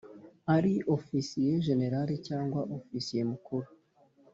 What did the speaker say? Ari Ofisiye Jenerali Cyangwa Ofisiye Mukuru